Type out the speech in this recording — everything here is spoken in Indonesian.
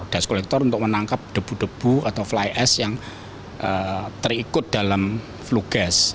debt collector untuk menangkap debu debu atau fly s yang terikut dalam flu gas